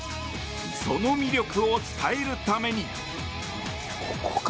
その魅力を伝えるために。